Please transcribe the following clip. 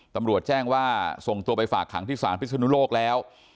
ตำรวจแจ้งว่าส่งตัวไปฝากขังที่ศาลพิศนุโลกแล้ว